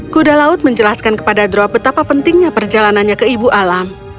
kuda laut menjelaskan kepada drop betapa pentingnya perjalanannya ke ibu alam